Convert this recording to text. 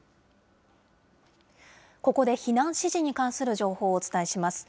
ここで避難指示に関する情報をお伝えします。